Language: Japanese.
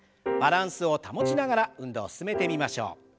バランスを保ちながら運動を進めてみましょう。